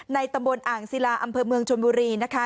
ตำบลอ่างศิลาอำเภอเมืองชนบุรีนะคะ